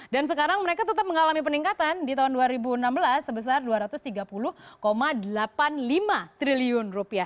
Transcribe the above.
dan sekarang mereka tetap mengalami peningkatan di tahun dua ribu enam belas sebesar dua ratus tiga puluh delapan puluh lima triliun rupiah